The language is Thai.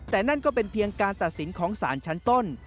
แต่นั่นก็เป็นเพียงการตัดสินของสารชั้นต้น